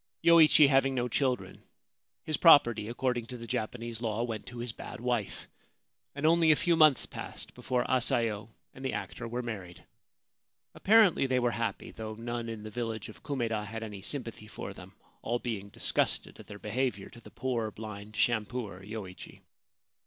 Yoichi having no children, his property, according to the Japanese law, went to his bad wife, and only a few months passed before Asayo and the actor were married. Apparently they were happy, though none in the village of Kumeda had any sympathy for them, all being disgusted at their behaviour to the poor blind shampooer Yoichi.